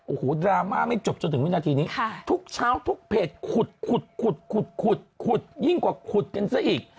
โอ้โหดราม่าไม่จบจนถึงวินาทีนี้ทุกเช้าทุกเพจขุดขุดยิ่งกว่าขุดกันซะอีก